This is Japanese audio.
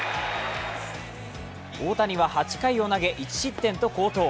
大谷は８回を投げ１失点と好投。